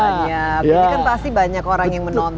ini kan pasti banyak orang yang menonton